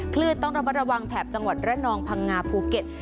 คลื่นต้องระมัดระวังแถบจังหวัดระนองพังงาภูเก็ต